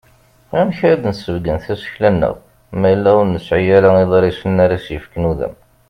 Amek ara d-nsebgen tasekla-nneɣ ma yella ur nesƐi ara iḍrisen ara as-yefken udem?